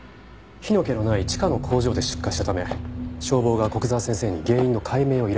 火の気のない地下の工場で出火したため消防が古久沢先生に原因の解明を依頼したようです。